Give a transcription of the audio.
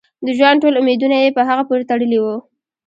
د ژوند ټول امیدونه یې په هغه پورې تړلي وو.